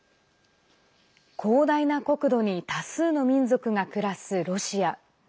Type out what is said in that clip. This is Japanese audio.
広大な国土に多数の民族が暮らすロシア。